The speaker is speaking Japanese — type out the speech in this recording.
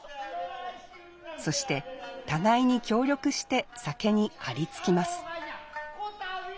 そして互いに協力して酒にありつきます。